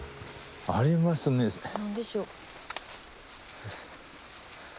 何でしょう？